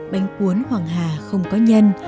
bánh cuốn hoàng hà không có nhân